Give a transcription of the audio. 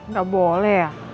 gak boleh ya